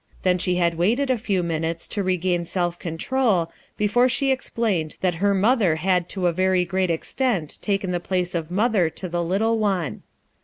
Then she had waited a few minutes to regain self control before she ex* plained that her mother had to a very great extent taken the place of mother to the little one.